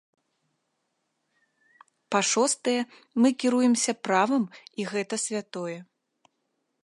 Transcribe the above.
Па-шостае, мы кіруемся правам, і гэта святое.